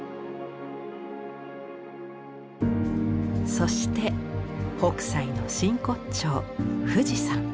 そして北斎の真骨頂富士山。